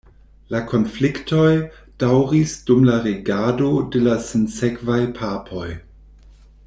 La konfliktoj daŭris dum la regado de la sinsekvaj papoj.